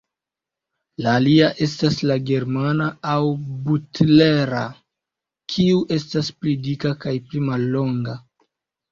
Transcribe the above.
La alia estas la "Germana" aŭ "Butler"-a, kiu estas pli dika kaj pli mallonga.